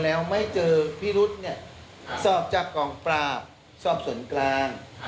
แล้วไม่เจอพิรุธเนี่ยสอบจากกองปราบสอบส่วนกลาง